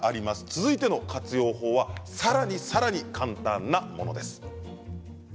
続いての活用法はさらにさらに簡単なものです。